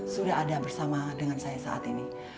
sudah ada bersama dengan saya saat ini